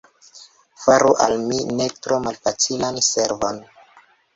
Faru al mi ne tro malfacilan servon!